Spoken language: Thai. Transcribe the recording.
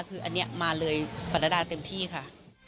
คืออันนี้มาเลยปรดาเต็มที่ค่ะ